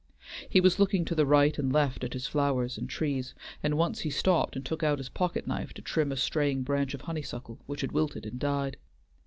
He was looking to the right and left at his flowers and trees, and once he stopped and took out his pocket knife to trim a straying branch of honeysuckle, which had wilted and died.